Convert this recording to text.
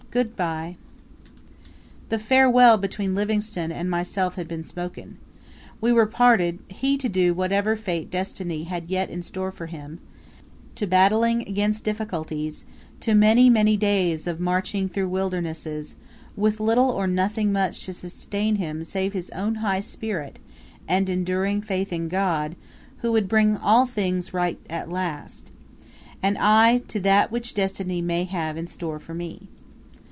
"Good bye!" The FAREWELL between Livingstone and myself had been spoken. We were parted, he to whatever fate Destiny had yet in store for him, to battling against difficulties, to many, many days of marching through wildernesses, with little or nothing much to sustain him save his own high spirit, and enduring faith in God "who would bring all things right at last;" and I to that which Destiny may have in store for me.